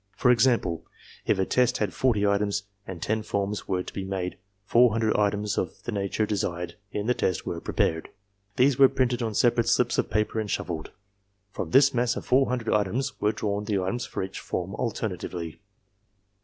For example, if a test had forty items, and ten forms were to be made, four hundred items of the nature desired in the test were prepared. These were printed on separate slips of paper and shuffled. From this mass of four hundred items were drawn the items for each form alternately.